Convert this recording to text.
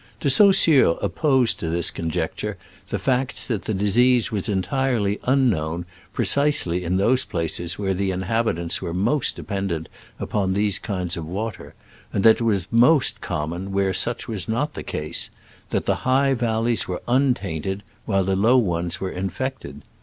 De Saussure opposed to this conjecture the facts that the disease was entirely un known precisely in those places where the inhabitants were most dependent upon these kinds of water, and that it was most common where such was not the case — that the high valleys were untainted, while the low ones were infected.